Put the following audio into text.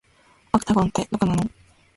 オクタゴンって、どこなの